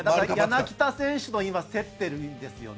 柳田選手と競ってるんですよね。